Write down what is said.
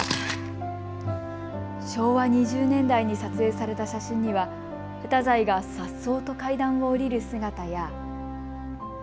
昭和２０年代に撮影された写真には太宰がさっそうと階段を下りる姿や。